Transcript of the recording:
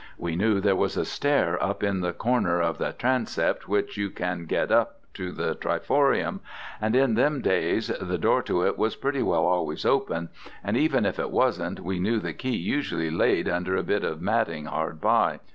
We knew there was a stair up in the corner of the transept which you can get up to the triforium, and in them days the door to it was pretty well always open, and even if it wasn't we knew the key usually laid under a bit of matting hard by.